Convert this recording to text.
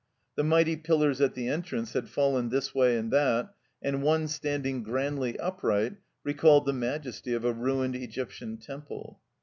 The mighty pillars at the entrance had fallen this way and that, and one standing grandly upright recalled the majesty of a ruined Egyptian temple.